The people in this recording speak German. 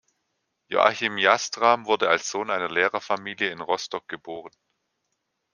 Joachim Jastram wurde als Sohn einer Lehrerfamilie in Rostock geboren.